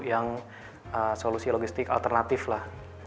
yang solusi logistik alternatif lah